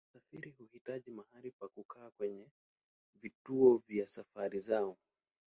Wasafiri huhitaji mahali pa kukaa kwenye vituo vya safari zao.